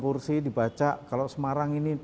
kursi dibaca kalau semarang ini